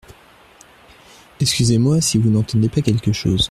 Excusez-moi si vous n’entendez pas quelque chose.